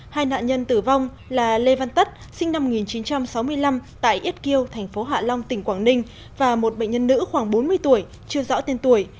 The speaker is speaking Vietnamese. hai nạn nhân tử vong là lê văn tất sinh năm một nghìn chín trăm sáu mươi năm tại êt kiêu tp hạ long tp hcm và một bệnh nhân nữ khoảng bốn mươi tuổi chưa rõ tên tuổi